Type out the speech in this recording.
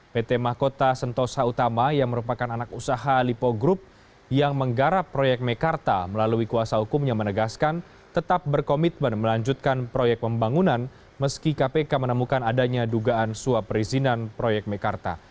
pt mahkota sentosa utama yang merupakan anak usaha lipo group yang menggarap proyek mekarta melalui kuasa hukumnya menegaskan tetap berkomitmen melanjutkan proyek pembangunan meski kpk menemukan adanya dugaan suap perizinan proyek mekarta